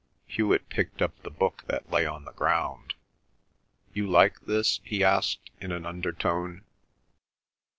Hewet picked up the book that lay on the ground. "You like this?" he asked in an undertone.